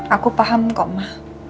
aku paham kok ma